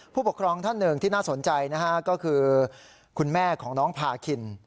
ผู้ปกครองท่านหนึ่งที่น่าสนใจนะฮะก็คือคุณแม่ของน้องพาคิน